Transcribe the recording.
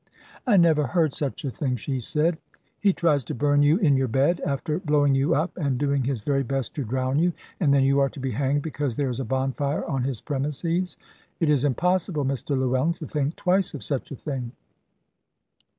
"I never heard such a thing," she said: "he tries to burn you in your bed, after blowing you up, and doing his very best to drown you; and then you are to be hanged because there is a bonfire on his premises! It is impossible, Mr Llewellyn, to think twice of such a thing."